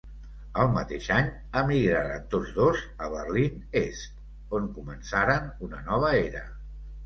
El mateix any emigraren tots dos a Berlín Est, on començaren una nova era.